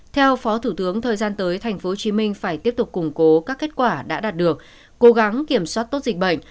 theo phó thủ tướng thời gian tới tp hcm phải tiếp tục củng cố các kết quả đã đạt được cố gắng kiểm soát tốt dịch bệnh